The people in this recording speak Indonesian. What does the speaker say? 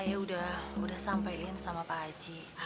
iya ayo udah sampein sama pak haji